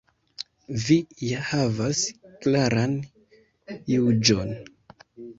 Vi ja havas klaran juĝon.